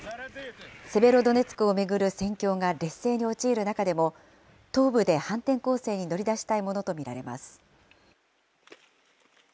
セベロドネツクを巡る戦況が劣勢に陥る中でも、東部で反転攻勢に乗り出したいものと見られます。